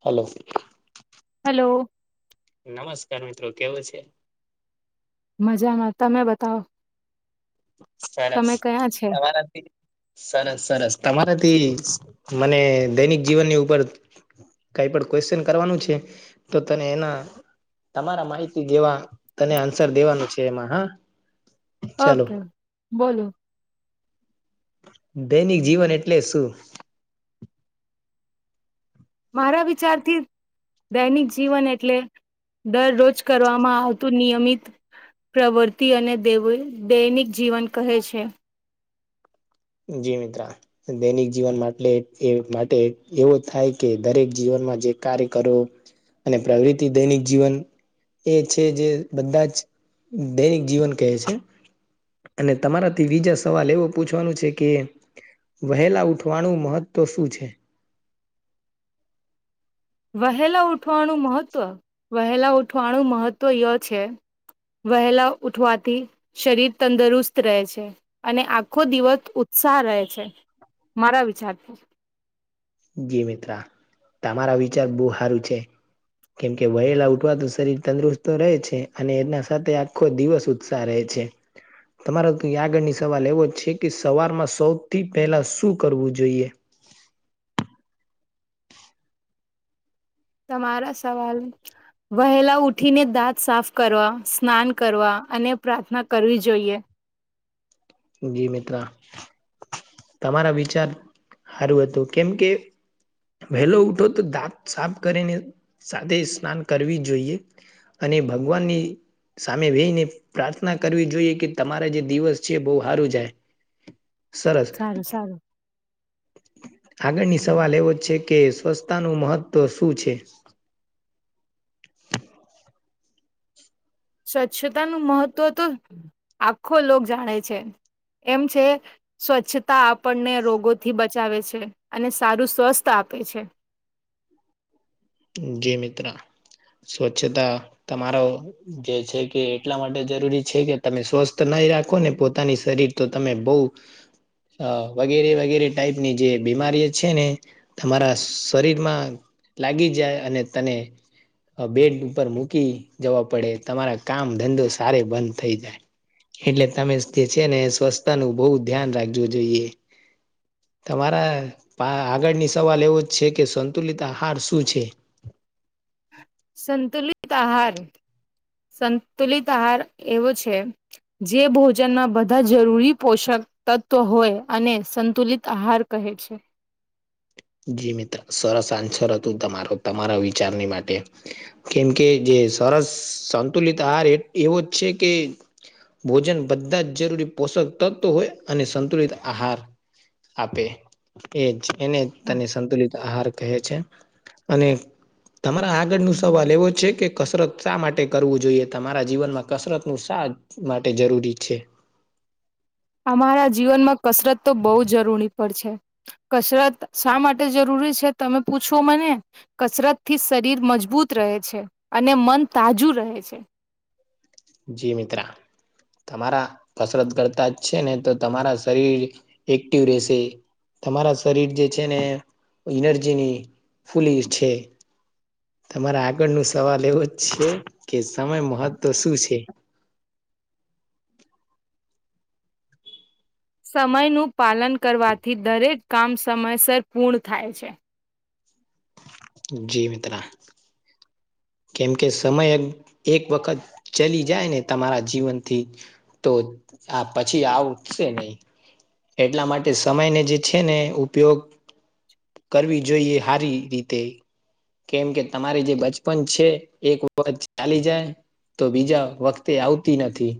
Hello. Hello. નમસ્કાર મિત્રો, કેવો છે? મજામાં. તમે બતાવો? સરસ તમે કયાં છે તમાવાથી સરસ સરસ. તમારાથી મને દૈનિક જીવનની ઉપર કઈ પણ ક્વેશચન કરવાનું છે, તો તને એના તમારા માહિતી દેવા તને આન્સર દેવાનું છે એમાં હા. ચાલો ઓકે બોલો. દૈનિક જીવન એટલે શું? મારા વિચારથી દૈનિક જીવન એટલે દરરોજ કરવામાં આવતું નિયમિત પ્રવૃતિ અને દેવ દૈનિક જીવન કહે છે. જીમિત્રા [unintelligible] દૈનિક જીવન માટે એ માટે એવો થાય કે દરેક જીવનમાં જે કાર્ય કરો અને પ્રવૃતિ દૈનિક જીવન એ છે જે બધા જ દૈનિક જીવન કહે છે. અને તમારા થી બીજા સવાલ એવો પૂછવાનું છે. કે વહેલા ઉઠવાનું મહત્વ શું છે? વહેલા ઉઠવાનું મહત્વ, વહેલા ઉઠવાનું મહત્વ ય છે. વહેલા ઉઠવાથી શરીર તંદરુસ્ત રહે છે. અને આખો દિવસ ઉત્સાહ રહે છે મારા વિચારથી. જી મિત્રા, તમારા વિચાર બહુ સારું છે. કેમકે વહેલા ઉઠવા તો શરીર તંદુરસ્ત રહે છે અને એના સાથે આખો દિવસ સારો રહે છે. તમારા તો આગળની સવાલ એવો જ છે કે સવારમાં સૌથી પહેલાં શું કરવું જોઈએ? તમારા સવાલ વહેલા ઉઠીને દાંત સાફ કરવા, સ્નાન કરવા અને પ્રાર્થના કરવી જોઈએ જી મિત્ર, તમારા વિચાર સારું હતું કેમ કે વહેલો ઉઠો તો દાંત સાફ કરીને સાથે સ્નાન કરવી જોઈએ અને ભગવાનની સામે બેહી ને પ્રાર્થના કરવી જોઈએ કે તમારા જે દિવસ છે જે બહ હારું જાય. સરસ. સારું સારું. આગળની સવાલ એવો જ છે, કે સ્વચ્છતાનું મહત્વ શું છે? સ્વચ્છતાનું મહત્ત્વ તો આખો લોક જાણે છે, એમ છે સ્વચ્છતા આપણને રોગોથી બચાવે છે અને સારું સ્વસ્થ આપે છે. જી મિત્ર સ્વચ્છતા તમારો જે છે કે એટલા માટે જરૂરી છે કે તમે સ્વસ્થ નહી રાખોને પોતાની શરીર તો તમે બહ વગેરે વગેરે ટાઈપની જે બીમારી છે ને તમારા શરીરમાં લાગી જાય અને તને બેડ ઉપર મૂકી જવા પડે, તમારા કામ ધંધો સારે બંધ થઈ જાય. એટલે તમે જે છે ને સ્વસ્થતાનું બહુ ધ્યાન રાખવું જોઈએ. તમારા પા આગળની સવાલ એવો જ છે, કે સંતુલિત આહાર શું છે? સંતુલિત આહાર, સંતુલિત આહાર એવો છે જે ભોજનમાં બધા જરૂરી પોષક તત્વ હોય અને સંતુલિત આહાર કહે છે. જી મિત્ર સરસ આન્સર હતું તમારો તમારા વિચારની માટે. કેમ કે જે સરસ સંતુલિત આહાર અ એવો જ છે કે ભોજન બધા જ જરૂરી પોષક તત્વો હોય અને સંતુલિત આહાર આપે એજ એને તને સંતુલિત આહાર કહે છે. અને તમારા આગળ નુ સવાલ એવો છે કે કસરત શા માટે કરવું જોઈએ તમારા જીવનમાં કસરત નું શા માટે જરૂરી છે. અમારા જીવનમાં કસરત તો બહુ જ જરૂરી પડ છે. કસરત શા માટે જરૂરી છે તમે પૂછો મને? કસરત થી શરીર મજબૂત રહે છે અને મન તાજું રહે છે. જી મિત્રા તમારા કસરત કરતા જ છે ને તો તમારા શરીર એક્ટિવ રહેશે. તમારા શરીર જે છે ને એનર્જીની ફૂલી છે. તમારા આગળ નુ સવાલ એવો છે કે સમય મહત્વ શું છે. સમયનું પાલન કરવાથી દરેક કામ સમયસર પૂર્ણ થાય છે. જી મિત્રા કેમ કે સમય એક વખત ચલી જાય ને તમારા જીવનથી. તો આ પછી આવ ઉઠશે નહી. એટલા માટે સમયને જે છે ને ઉપયોગ કરવી જોઈએ હારી રીતે કેમ કે તમારે જે બચ પણ છે એક વખત ચાલી જાય તો બીજા વખતે આવતી નથી.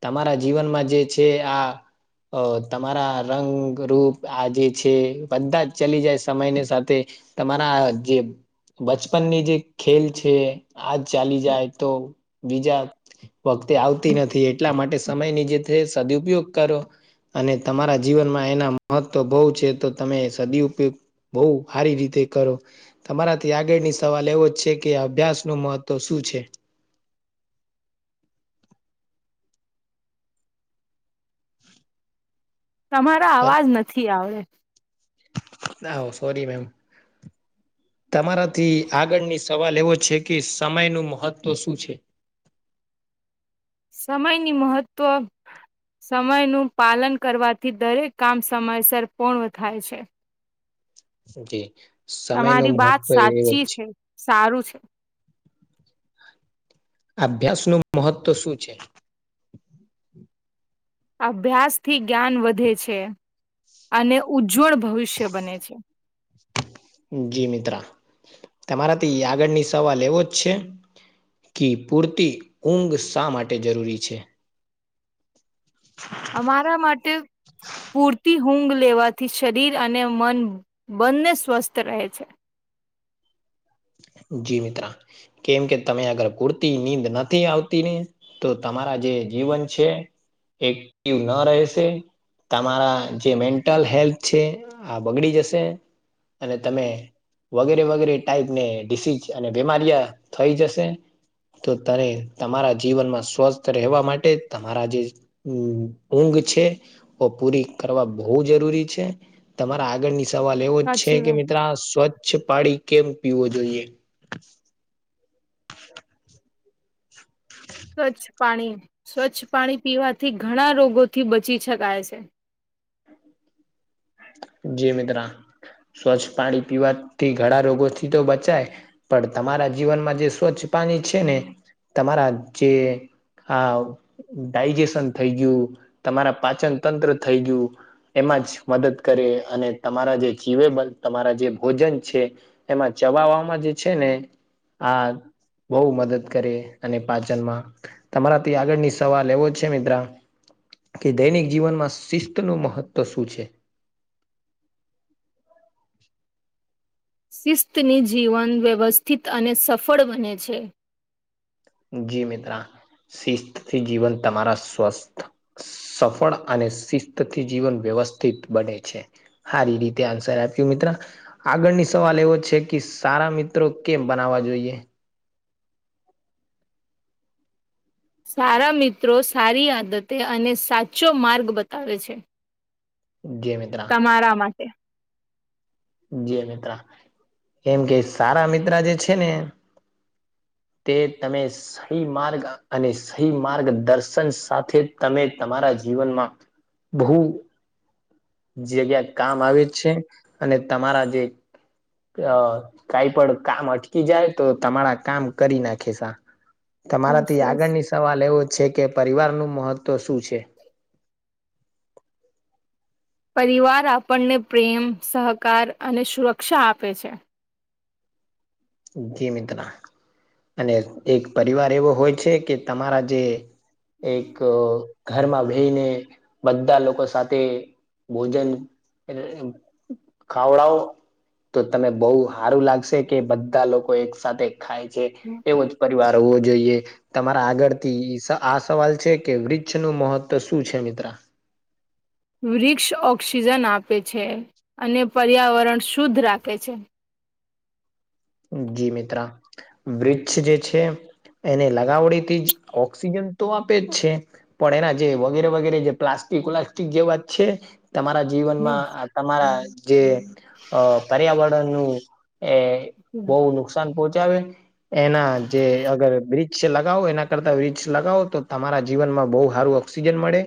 તમારા જીવનમાં જે છે આ અ તમારા રંગરૂૂપ આ જે છે બધા જ ચલી જાય સમયની સાથે તમારા જે બચપન ની જે ખેલ છે આજ ચાલી જાય તો બીજા વખતે આવતી નથી એટલા માટે સમયની જે છે સદુપયોગ કરો અને તમારા જીવનમાં એના મહત્વ બહુ છે તો તમે સદી ઉપયોગ બઉ હારી રીતે કરો તમારાથી આગળની સવાલ એવો છે. કે અભ્યાસ ન મહત્વ શું છે. તમારા અવાજ નથી આવે. ના હો સોરી મેમ તમારાથી આગળની સવાલ એવો છે કે સમયનું મહત્ત્વ શું છે. સમયની મહત્વ સમય નું પાલન કરવાથી દરેક કામ સમયસર પૂર્ણ થાય છે. જી સમય નો તમારી વાત મહત્વ એવો સાચી છે. સારું છે અભ્યાસ નું મહત્વ શું છે. અભ્યાસ થી જ્ઞાન વધે છે અને ઉજ્જવળ ભવિષ્ય બને છે. જી મિત્રા તમારાથી આગળની સવાલ એવો જ છે. ક પૂરતી ઊંઘ શા માટે જરૂરી છે. અમારા માટે પૂરતી ઊઘ લેવાથી શરીર અને મન બંને સ્વસ્થ રહે છે. જી મિત્રા કેમ કે તમે આગર કુર્તી નીંદ નથી આવતી ને તો તમારા જે જીવન છે એક્ટિવ ન રહેશે. તમારા જે મેન્ટલ હેલ્થ છે આ બગડી જશે. અને તમે વગેરે વગેરે ટાઈપને ડિસીઝ અને બીમારીયા થઈ જશે. તો તને તમારા જીવનમાં સ્વસ્થ રહેવા માટે તમારા જે ઊંઘ છે ઓ પૂરી કરવા બહુ જરૂરી છે. તમારા આગળની સવાલ એવો જ છે સાચી કે વાત. મિત્ર સ્વચ્છ પાણી કેમ પીવો જોઈએ? સ્વચ્છ પાણી સ્વચ્છ પાણી પીવાથી ઘણા રોગોથી બચી શકાય છે જી મિત્ર સ્વચ્છ પાણી પીવાથી ઘણા રોગોથી તો બચાય પણ તમારા જીવનમાં જે સ્વચ્છ પાણી છે ને તમારા જે હા ડાયજેશન થઈ ગયું, તમારા પાચન તંત્ર થઈ ગયું, એમાં જ મદદ કરે અને તમારા જે જીવે બલ તમારા જે ભોજન છે એમાં ચબવામાં જે છે ને આ બહુ મદદ કરે અને પાચનમાં તમારાથી આગળની સવાલ લ એવો છે મિત્ર? કે દૈનિક જીવનમાં શિસ્ત નું મહત્વ શું છે? શિસ્તની જીવન વ્યવસ્થિત અને સફળ બને છે જી મિત્રા શિસ્તથી જીવન તમારા સ્વસ્થ સફળ અને શિસ્તથી જીવન વ્યવસ્થિત બને છે સારી રીતે આન્સર આપ્યું મિત્ર આગળની સવાલ એવો છે કે સારા મિત્રો કેમ બનાવવા જોઈએ? સારા મિત્રો સારી આદતે અને સાચો માર્ગ બતાવે છે. ગેમિ તમારા માટે જે મિત્ર એમ કે સારા મિત્ર જે છે ને? તે તમે? સહી માર્ગ અને સહી માર્ગ દર્શન સાથે તમે તમારા જીવનમાં બહુ જગ્યા કામ આવે છે અને તમારા જે અ કાઈ પણ કામ અટકી જાય તો તમારા કામ કરી નાખે સા યસ તમારાથી યસ. આગળની સવાલ એવો છે કે પરિવાર નું મહત્વ શું છે? પરિવાર આપણને પ્રેમ સહકાર અને સુરક્ષા આપે છે. જી મિત્ર અને એક પરિવાર એવો હોય છે કે તમારા જે એક ઘરમાં વહીને બધા લોકો સાથે ભોજન એ ખાવડાવ તો તને બહુ સારું લાગશે કે બધા લોકો એક સાથેથે ખાય છે હમ. એવો જ પરિવાર હોવો જોઈએ. તમારા આગળથી આ સવાલ છે કે વૃક્ષ નું મહત્વ શું છે મિત્ર વૃક્ષ ઓક્સિજન આપે છે અને પર્યાવરણ શુદ્ધ રાખે છે. જી મિત્રા વૃક્ષ જે છે એને લગાવડીથી જ ઓક્સિજન તો આપે જ છે પણ એના જે વગેરે વગેરે જે પ્લાસ્ટિક વ્લાસ્ટિક જે વાત છે તમારા યસ. જીવનમાં તમારા જે પર્યાવરણ નું એ બહુ હમ નુકસાન પોહોંચડે એના જે અગર બ્રજ લગાવો એના કરતા વીક્ષ લગાવો તો તમારા જીવનમાં બહુ સારું ઓક્સિજન મળે.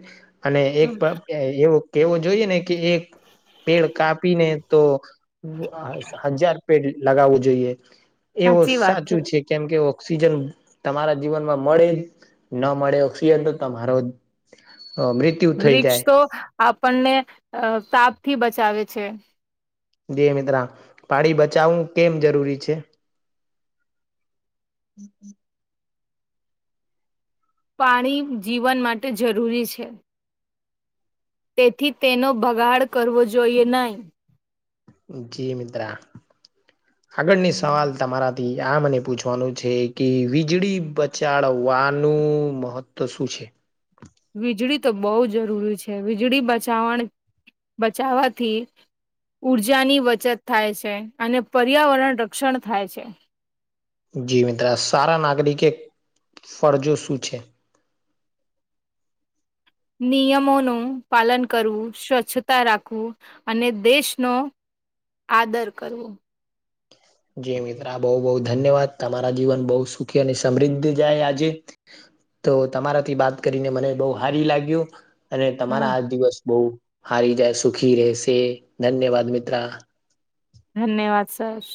અને એક એવો કેવો જોઈએ ને કે એક પેડ કાપીને તો હજાર પેડ લગાવવું જોઈએ એવું સાચી વાત સાચું છે. કેમ કે ઓક્સિજન તમારા જીવનમાં મળે. ન મળે ઓક્સિજન તો તમારો મૃત વૃક્ષ તો આપણને તાપ થી બચાવે છે. દ મિત્ર પાડી બચાવવું કેમ જરૂરી છે? હમમ પાણી જીવન માટે જરૂરી છે. તેથી તેનો ભગાડ કરવો જોઈએ નહી. જે મિત્રા ખબરની સવાલ તમારાથી આ મને પૂછવાનું છે કે વીજળી બ ચળવાનું મહત્ત્વ શું છે? વીજળી તો બહુ જરૂરી છે, વીજળી બચાવણ બચાવવાથી ઉર્જાની બચત થાય છે, અને પર્યાવરણ રક્ષણ થાય છે. જે મિત્રા સારા નાગરિકે ફરજો શું છે? નિયમોનું પાલન કરવું, સ્વચ્છતા રાખવું, અને દેશનો આદર કરવો. જે મિત્રા બહુ બહુ ધન્યવાદ, તમારા જીવન બહુ સુખી અને સમૃદ્ધ જાય આજે. તો તમારાથી બાત કરીને મને બહુ હારી લાગ્યું. અને તમારા હા આ દિવસ બહુ હારી જાય સુખી રહેશે, ધન્યવાદ મિત્રા. ધન્યવાદ સર.